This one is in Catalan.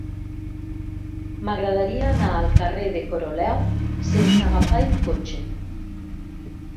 M'agradaria anar al carrer de Coroleu sense agafar el cotxe.